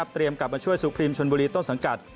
เตรียมกับมันช่วยสุพรีมชนบุรีต้นสังกัด